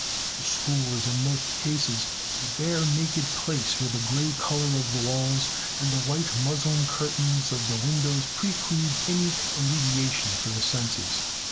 The school is, in most cases, a bare, naked place where the gray color of the walls and the white muslin curtains over the windows preclude any alleviation for the senses.